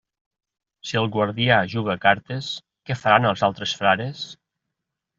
Si el guardià juga a cartes, què faran els altres frares?